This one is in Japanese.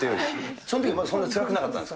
そのときまだそんなつらくなかったんですか。